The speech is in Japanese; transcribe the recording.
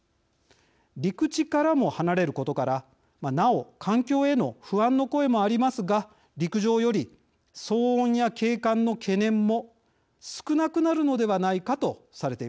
陸地からも離れることからなお環境への不安の声もありますが陸上より騒音や景観の懸念も少なくなるのではないかとされています。